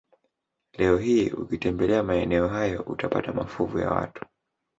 Leo hii ukitembelea maeneo hayo utapata mafuvu ya watu